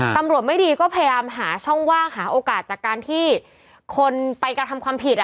ตำรวจไม่ดีก็พยายามหาช่องว่างหาโอกาสจากการที่คนไปกระทำความผิด